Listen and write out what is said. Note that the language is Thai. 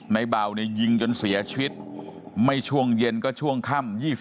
ในเบาเนี่ยยิงจนเสียชีวิตไม่ช่วงเย็นก็ช่วงค่ำ